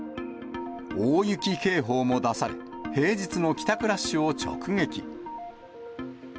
大雪警報も出され、平日の帰宅ラッシュを直撃。